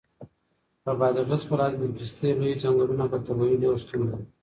په بادغیس ولایت کې د پستې لوی ځنګلونه په طبیعي ډول شتون لري.